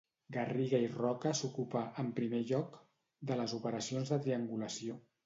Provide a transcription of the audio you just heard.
Garriga i Roca s'ocupà, en primer lloc, de les operacions de triangulació.